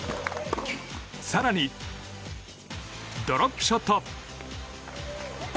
更にドロップショット。